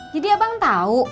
jadi abang tau